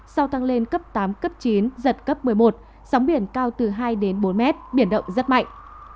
sau tăng lên cấp tám cấp chín giật cấp một mươi một sóng biển cao từ hai đến bốn mét biển động rất mạnh